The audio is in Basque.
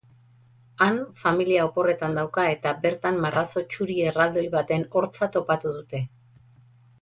Han familia oporretan dauka eta bertan marrazo txuri erraldoi baten hortza topatu dute.